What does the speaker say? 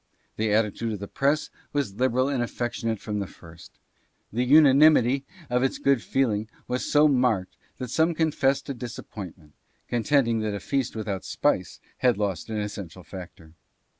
The attitude of the press was liberal and affectionate from the first. The unanimity of its good feeling was so marked that some confessed a disappointment, contending that a feast without spice had lost an essential factor.